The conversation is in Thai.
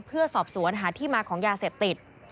เพื่อสอบสวนหาที่มาของยาเสพติด